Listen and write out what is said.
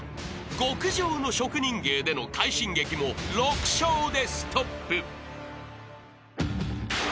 極上の職人芸での快進撃も６笑でストップ］